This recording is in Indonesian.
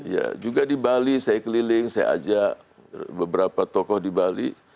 ya juga di bali saya keliling saya ajak beberapa tokoh di bali